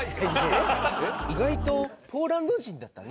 「意外とポーランド人だったね」。